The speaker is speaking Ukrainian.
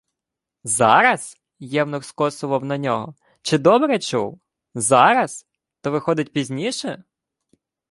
«Зараз»? Євнух скосував на нього. Чи добре чув? Зараз? То виходить, пізніше?